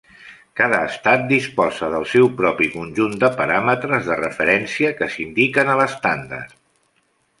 Cada estat disposa del seu propi conjunt de paràmetres de referència que s'indiquen a l'estàndard.